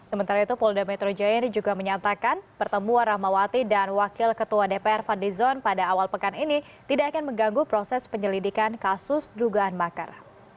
sementara itu polda metro jaya ini juga menyatakan pertemuan rahmawati dan wakil ketua dpr fadlizon pada awal pekan ini tidak akan mengganggu proses penyelidikan kasus dugaan makar